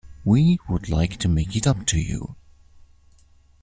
We would like to make it up to you.